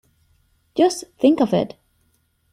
Just think of it!